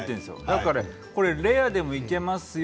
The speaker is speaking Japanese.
だからレアでもいけますよ